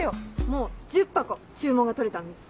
もう１０箱注文が取れたんです。